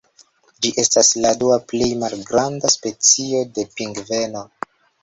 Ĝi estas la dua plej malgranda specio de pingveno.